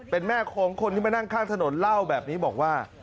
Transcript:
เป็นแม่ของคนที่มานั่งข้างถนนเล่าแบบนี้บอกว่า